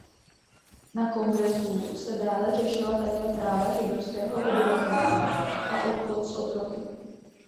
Na kongresu se dále řešila také práva židovského obyvatelstva a obchod s otroky.